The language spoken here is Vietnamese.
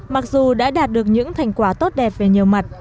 mặc dù đã đạt được những thành quả tốt đẹp về nhiều mặt